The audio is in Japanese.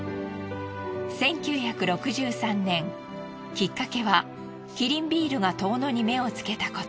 きっかけはキリンビールが遠野に目をつけたこと。